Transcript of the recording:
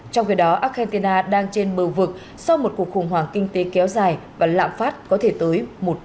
trong khi đó argentina đang trên bờ vực sau một cuộc khủng hoảng kinh tế kéo dài và lạm phát có thể tới một